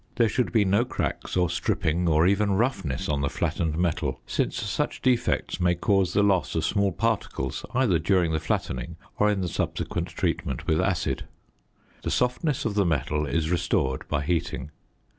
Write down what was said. There should be no cracks or stripping or even roughness on the flattened metal, since such defects may cause the loss of small particles either during the flattening or in the subsequent treatment with acid. The softness of the metal is restored by heating.